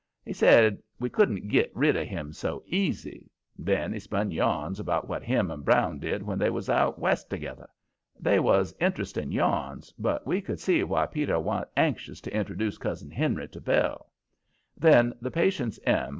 He said we couldn't git rid of him so easy. Then he spun yarns about what him and Brown did when they was out West together. They was interesting yarns, but we could see why Peter wa'n't anxious to introduce Cousin Henry to Belle. Then the Patience M.